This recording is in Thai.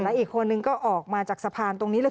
และอีกคนนึงก็ออกมาจากสะพานตรงนี้เลย